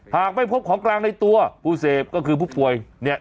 หากไม่พบของกลางในตัวผู้เสพก็คือผู้ป่วยเนี่ย